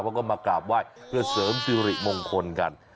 เขาก็มากราบไหว้เพื่อเสริมสิริมงคลกัน